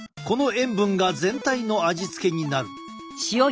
この塩分が全体の味付けになる。